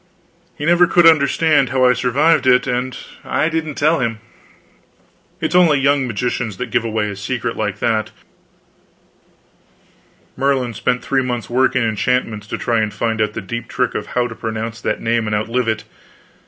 He never could understand how I survived it, and I didn't tell him. It is only young magicians that give away a secret like that. Merlin spent three months working enchantments to try to find out the deep trick of how to pronounce that name and outlive it.